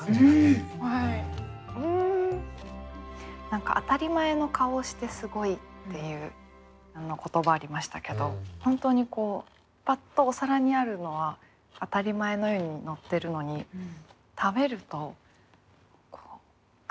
何か「あたり前の顔をしてすごい」っていう言葉ありましたけど本当にパッとお皿にあるのは当たり前のようにのってるのに食べるとグッとすごみを感じる。